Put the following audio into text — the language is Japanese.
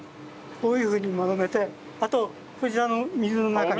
こういうふうに丸めてあとこちらの水の中に。